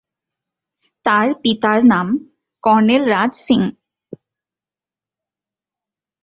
তাঁর পিতার নাম কর্নেল রাজ সিং।